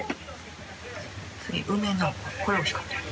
梅のこれおいしかった。